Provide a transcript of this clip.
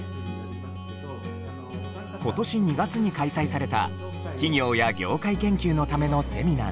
今年２月に開催された企業や業界研究のためのセミナーです。